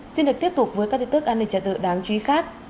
xin được tiếp tục với các tin tức an ninh trái tựa đáng chú ý khác